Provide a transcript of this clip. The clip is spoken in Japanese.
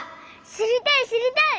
しりたいしりたい！